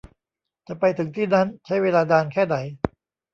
จะไปถึงที่นั้นใช้เวลานานแค่ไหน